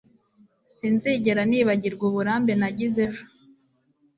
sinzigera nibagirwa uburambe nagize ejo